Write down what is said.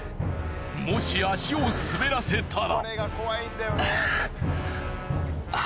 もし足を滑らせたら。